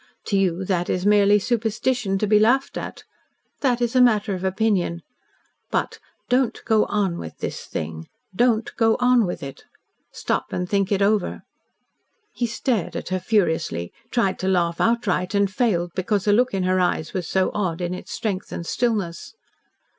To you that is merely superstition to be laughed at. That is a matter of opinion. But don't go on with this thing DON'T GO ON WITH IT. Stop and think it over." He stared at her furiously tried to laugh outright, and failed because the look in her eyes was so odd in its strength and stillness.